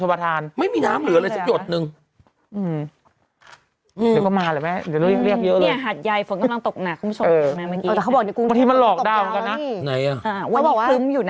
ช่วงประมาณนี้แล้วเดี๋ยวมันจะเว้นช่วงยาวหน่อย